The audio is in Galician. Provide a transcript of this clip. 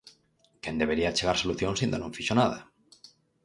Quen debería achegar solucións aínda non fixo nada.